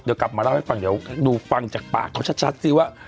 เดี๋ยวกลับมาเล่าให้ฟังเดี๋ยวดูฟังจากปากเขาชัดสิว่า